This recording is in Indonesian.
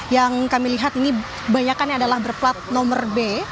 yang kami lihat ini kebanyakan adalah berplat nomor b